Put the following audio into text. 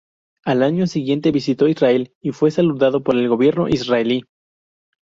Al año siguiente visitó Israel y fue saludado por el gobierno israelí.